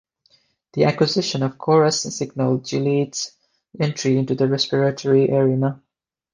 The acquisition of Corus signaled Gilead's entry into the respiratory arena.